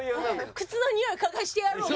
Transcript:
靴のにおい嗅がせてやろうか？